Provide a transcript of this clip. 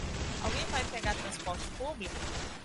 Alguém vai pegar transporte público?